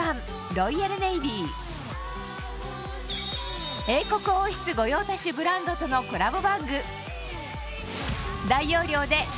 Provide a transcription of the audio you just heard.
ロイヤルネイビー英国王室御用達ブランドとのコラボ